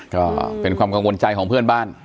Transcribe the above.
ก็เป็นความกังวลใจของเพื่อนบ้าน